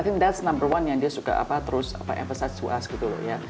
i think that s number one yang dia suka terus emphasize to us gitu ya